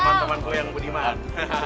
teman temanku yang beriman